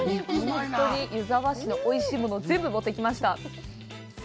湯沢市のおいしいもの全部持ってきました。